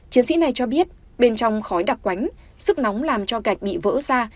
chiến sĩ này cho biết bên trong khói đặc quánh sức nóng làm cho gạch bị vỡ ra